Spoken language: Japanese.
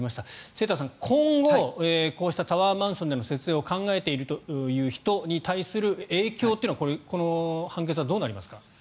清田さん、今後こうしたタワーマンションでの節税を考えているという人に対する影響というのはこの判決はどうなりますか。